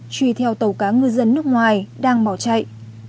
truy theo tàu cá ngư dân nước ngoài đang bỏ chạy